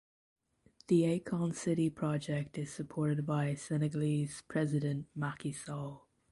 The Akon City project is supported by Senegalese President Macky Sall.